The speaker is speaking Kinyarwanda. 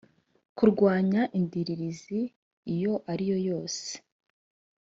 kurwanya indiririzi iyo ari yo yose